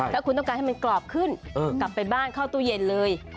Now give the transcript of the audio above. ถ้าคุณต้องการให้มันกรอบขึ้นกลับไปบ้านเข้าตู้เย็นเลย